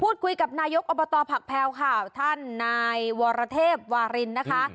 คุยกับนายกอบตผักแพลวค่ะท่านนายวรเทพวารินนะคะ